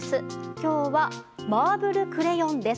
今日は、マーブルクレヨンです。